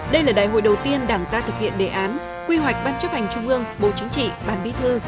đây là đại hội đầu tiên đảng ta thực hiện đề án quy hoạch ban chấp hành trung ương bộ chính trị ban bí thư